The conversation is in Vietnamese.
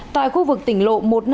tại khu vực tỉnh lộ một trăm năm mươi